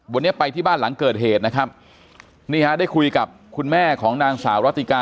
วันนี้ไปที่บ้านหลังเกิดเหตุนะครับนี่ฮะได้คุยกับคุณแม่ของนางสาวรัติกา